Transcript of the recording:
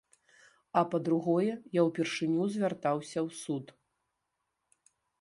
А па-другое, я ўпершыню звяртаўся ў суд.